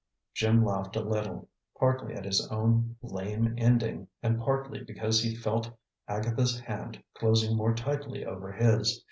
Jim laughed a little, partly at his own lame ending, and partly because he felt Agatha's hand closing more tightly over his.